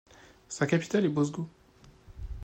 Sa capitale est Bosgo.